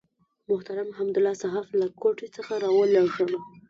محترم حمدالله صحاف له کوټې څخه راولېږله.